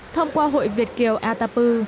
thông qua hội việt kiều atapu